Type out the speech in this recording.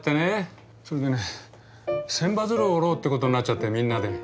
それでね千羽鶴を折ろうってことになっちゃってみんなで。